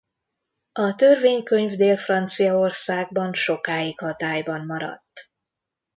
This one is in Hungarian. A törvénykönyv Dél-Franciaországban sokáig hatályban maradt.